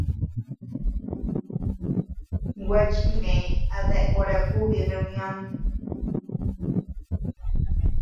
Gua chimbë a dea hora kubi reunion.